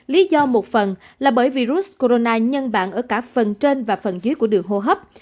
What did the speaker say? lý do một phần là bởi virus corona nhân bản ở cả phần trên và phần dưới của đường hô hấp